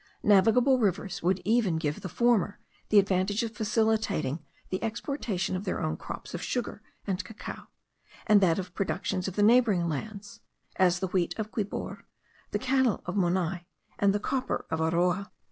Navigable rivers would even give the former the advantage of facilitating the exportation of their own crops of sugar and cacao, and that of the productions of the neighbouring lands; as the wheat of Quibor, the cattle of Monai, and the copper of Aroa.